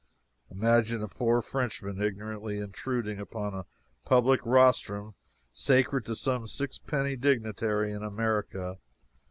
Imagine a poor Frenchman ignorantly intruding upon a public rostrum sacred to some six penny dignitary in America.